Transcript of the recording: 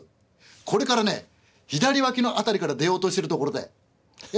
これからね左ワキの辺りから出ようとしてるところでええ。